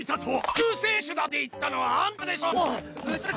救世主だって言ったのはアンタでしょうが！